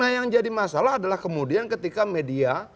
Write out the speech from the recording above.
nah yang jadi masalah adalah kemudian ketika media